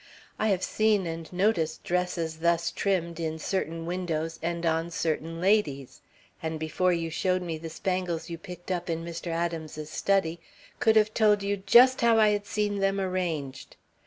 I have seen and noticed dresses thus trimmed, in certain windows and on certain ladies; and before you showed me the spangles you picked up in Mr. Adams's study could have told you just how I had seen them arranged.